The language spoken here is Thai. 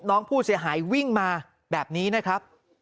น้องผู้เสียหายวิ่งมาแบบนี้นะครับ